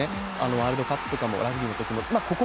ワールドカップとかもラグビーのときも。